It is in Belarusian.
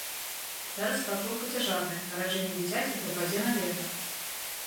Зараз спартоўка цяжарная, нараджэнне дзіцяці прыпадзе на лета.